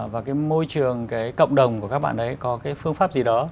và cái môi trường cái cộng đồng của các bạn ấy có cái phương pháp gì đó